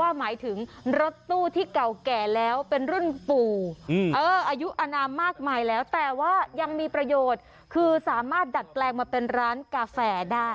ว่าหมายถึงรถตู้ที่เก่าแก่แล้วเป็นรุ่นปู่อายุอนามมากมายแล้วแต่ว่ายังมีประโยชน์คือสามารถดัดแปลงมาเป็นร้านกาแฟได้